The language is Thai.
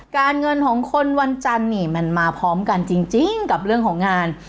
การเงินของคนวันจันทร์นี่มันมาพร้อมกันจริงกับเรื่องของงาน